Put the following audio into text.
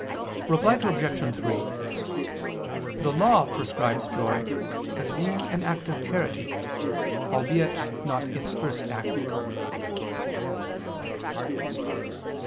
Reply Obj. 3: The Law prescribes joy, as being an act of charity, albeit not its first act.